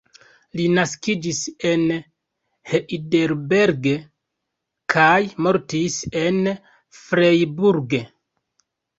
Li naskiĝis en Heidelberg kaj mortis en Freiburg.